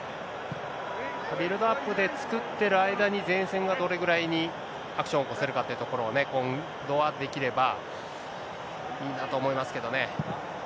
ビルドアップで作ってる間に、前線がどれぐらいにアクションを起こせるかというところを今度はできればいいなと思いますけどね。